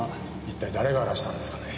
一体誰が荒らしたんですかね？